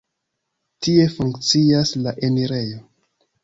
Tie funkcias la enirejo.